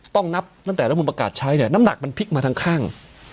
ต้องนับตั้งแต่รัฐมูลประกาศใช้เนี่ยน้ำหนักมันพลิกมาทั้งข้าง